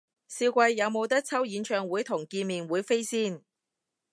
少貴，有無得抽演唱會同見面會飛先？